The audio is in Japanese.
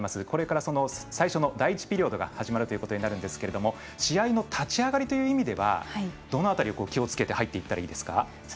これから、最初の第１ピリオドが始まるということになるんですが試合の立ち上がりという意味ではどの辺りを気をつけて入っていったらいいですか。